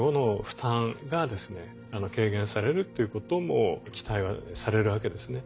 軽減されるということも期待はされるわけですね。